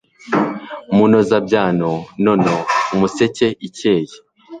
munozabyano nono umuseke ikeye